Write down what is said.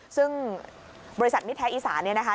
ซึ่งบริษัทมิแท้อีสานเนี่ยนะคะ